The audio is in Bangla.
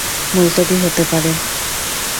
মুলতবি হতে পারে।